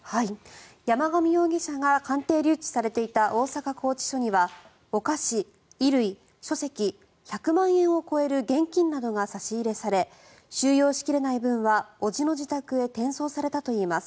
山上容疑者が鑑定留置されていた大阪拘置所にはお菓子、衣類、書籍１００万円を超える現金などが差し入れされ収容しきれない分は伯父の自宅へ転送されたといいます。